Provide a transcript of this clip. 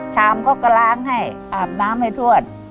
ชามเขาก็ล้างให้อาบน้ำให้ทวด